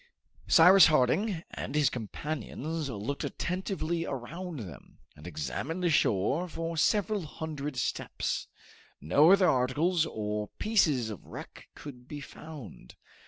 Cyrus Harding and his companions looked attentively around them, and examined the shore for several hundred steps. No other articles or pieces of wreck could be found.